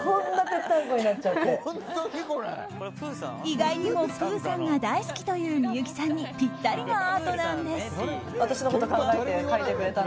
意外にもプーさんが大好きという幸さんにぴったりなアートなんです。